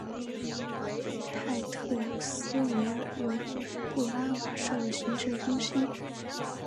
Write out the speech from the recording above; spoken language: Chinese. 泰特斯维尔为布拉瓦县的行政中心。